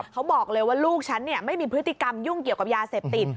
เขาบอกเลยว่าลูกฉันไม่มีพฤติกรรมยุ่งเกี่ยวกับยาเสพติด